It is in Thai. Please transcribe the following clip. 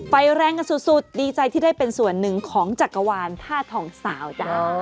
ไปแรงกันสุดดีใจที่ได้เป็นส่วนหนึ่งของจักรวาลท่าทองสาวจ้า